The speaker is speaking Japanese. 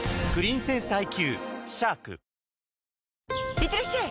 いってらっしゃい！